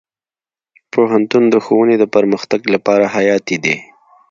پوهنتون د ښوونې د پرمختګ لپاره حیاتي دی.